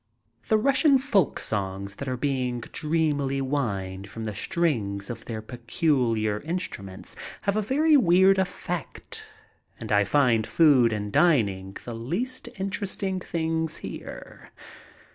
The Russian folk songs that are being dreamily whined from the strings of their peculiar instruments have a very weird effect and I find food and dining the least interesting things here.